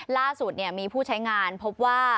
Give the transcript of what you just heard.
ล่าสุดมีผู้ใช้งานพบว่า